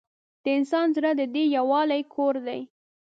د انسان زړه د دې یووالي کور دی.